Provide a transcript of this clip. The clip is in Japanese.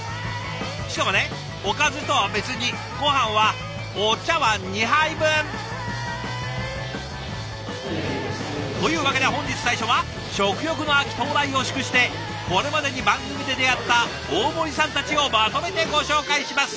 しかもねおかずとは別にごはんはお茶わん２杯分！というわけで本日最初は食欲の秋到来を祝してこれまでに番組で出会った大盛りさんたちをまとめてご紹介します。